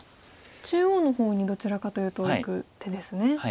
中央の方にどちらかというといく手ですね。